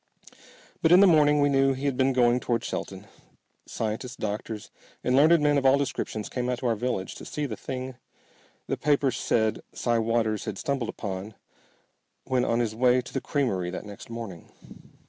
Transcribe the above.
But in the morning we knew he had been going toward Shelton. Scientists, doctors, and learned men of all descriptions came out to our village to see the thing the papers said Si Waters had stumbled upon when on his way to the creamery that next morning.